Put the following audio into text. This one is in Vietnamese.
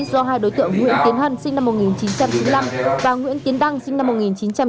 do hai đối tượng nguyễn tiến hân sinh năm một nghìn chín trăm chín mươi năm và nguyễn tiến đăng sinh năm một nghìn chín trăm tám mươi